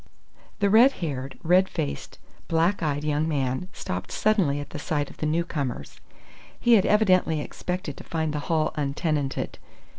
The red haired, red faced, black eyed young man stopped suddenly at sight of the newcomers. He had evidently expected to find the hall untenanted.